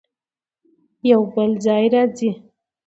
يو بل ځای راځي